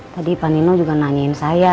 tadi panino juga nanyain saya